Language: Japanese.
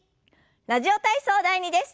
「ラジオ体操第２」です。